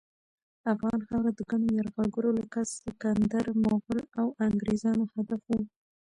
افغان خاوره د ګڼو یرغلګرو لکه سکندر، مغل، او انګریزانو هدف وه.